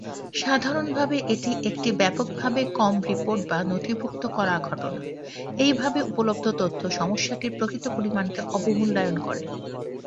সাধারণভাবে, এটি একটি ব্যাপকভাবে কম রিপোর্ট বা নথিভুক্ত করা ঘটনা, এইভাবে উপলব্ধ তথ্য সমস্যাটির প্রকৃত পরিমাণকে অবমূল্যায়ন করে।